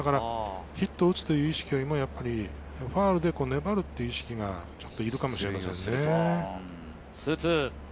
ヒットを打つという意識よりもファウルで粘るっていう意識が必要かもしれませんね。